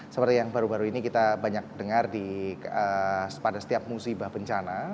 seperti yang baru baru ini kita banyak dengar pada setiap musibah bencana